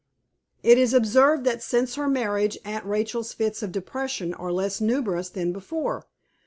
It is observed that, since her marriage, Aunt Rachel's fits of depression are less numerous than before.